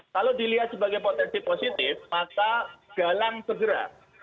kalau dilihat sebagai potensi positif maka galang segera